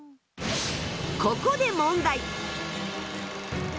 ここで問題！